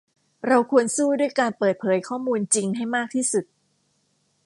เราควรสู้ด้วยการเปิดเผยข้อมูลจริงให้มากที่สุด